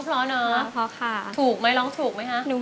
ร้องแล้วร้องพร้อมเหรอ